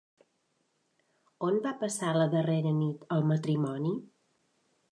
On va passar la darrera nit el matrimoni?